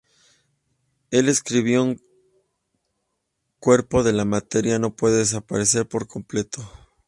Él escribió "un cuerpo de la materia no puede desaparecer por completo.